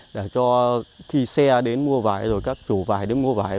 để cho khi xe đến mua vải rồi các chủ vải đến mua vải